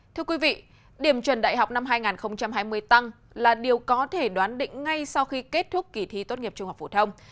thưa quý vị điểm chuẩn đại học năm hai nghìn hai mươi tăng là điều có thể đoán định ngay sau khi kết thúc kỳ thi tốt nghiệp trung học phổ thông